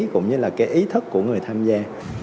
cũng như là cái ý thức của người tham gia